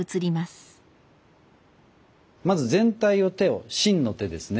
まず全体を手を「真」の手ですね